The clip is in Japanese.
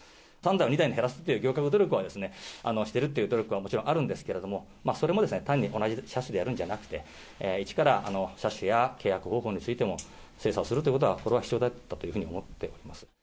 ３台を２台に減らすという努力はしているっていうことは、もちろんあるんですけれども、それも単に同じ車種でやるんじゃなくて、一から車種や契約についても精査する、これは必要だったというふ